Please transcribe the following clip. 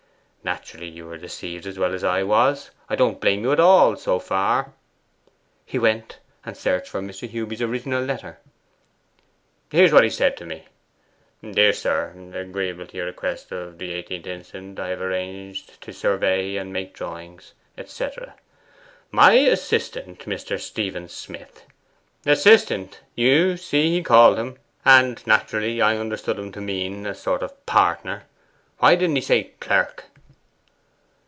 Naturally you were deceived as well as I was. I don't blame you at all, so far.' He went and searched for Mr. Hewby's original letter. 'Here's what he said to me: "Dear Sir, Agreeably to your request of the 18th instant, I have arranged to survey and make drawings," et cetera. "My assistant, Mr. Stephen Smith," assistant, you see he called him, and naturally I understood him to mean a sort of partner. Why didn't he say "clerk"?